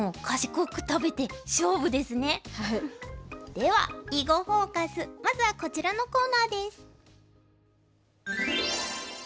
では「囲碁フォーカス」まずはこちらのコーナーです。